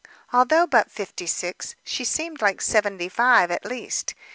Although but fifty six, she seemed like seventy five at least.